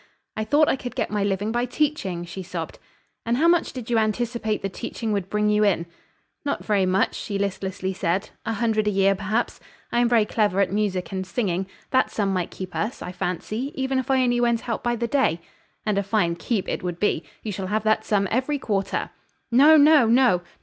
"I thought I could get my living by teaching," she sobbed. "And how much did you anticipate the teaching would bring you in?" "Not very much," she listlessly said. "A hundred a year, perhaps; I am very clever at music and singing. That sum might keep us, I fancy, even if I only went out by the day." "And a fine 'keep' it would be! You shall have that sum every quarter!" "No, no! no, no!